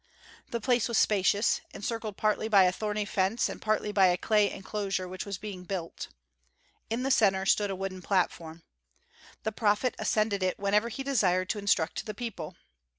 The place was spacious, encircled partly by a thorny fence and partly by a clay enclosure which was being built. In the center stood a wooden platform. The prophet ascended it whenever he desired to instruct the people.